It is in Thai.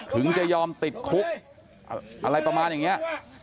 ถึงจะยอมติดคุกอะไรประมาณอย่างนี้